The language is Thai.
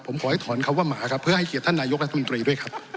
ผมขอให้ถอนคำว่าหมาครับเพื่อให้เกียรติท่านนายกรัฐมนตรีด้วยครับ